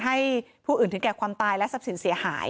ให้ผู้อื่นถึงแก่ความตายและทรัพย์สินเสียหาย